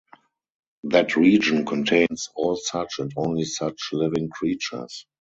That region contains all such and only such living creatures.